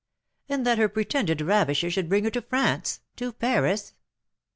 "And that her pretended ravisher should bring her to France, to Paris?"